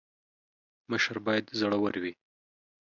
مشر باید زړه ور وي